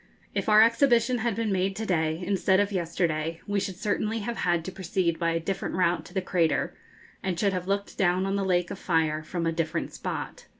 If our expedition had been made to day instead of yesterday, we should certainly have had to proceed by a different route to the crater, and should have looked down on the lake of fire from a different spot.